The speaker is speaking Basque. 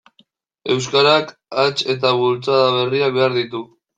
Euskarak hats eta bultzada berriak behar ditu.